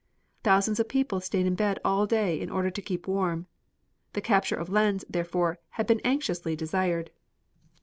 Thousands of people stayed in bed all day in order to keep warm. The capture of Lens, therefore, had been anxiously desired.